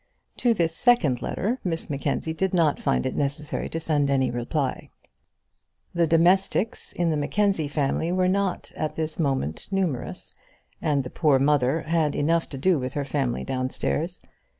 To this second letter Miss Mackenzie did not find it necessary to send any reply. The domestics in the Mackenzie family were not at this time numerous, and the poor mother had enough to do with her family downstairs.